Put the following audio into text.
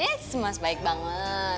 yes mas baik banget